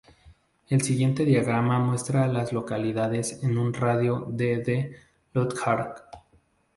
El siguiente diagrama muestra a las localidades en un radio de de Lockhart.